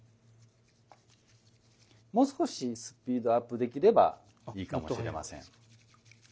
もう少しスピードアップできればいいかもしれません。